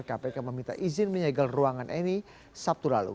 kpk meminta izin menyegel ruangan eni sabtu lalu